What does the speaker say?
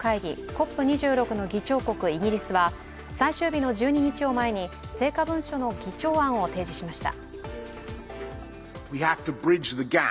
ＣＯＰ２６の議長国、イギリスは最終日の１２日を前に成果文書の議長案を提示しました。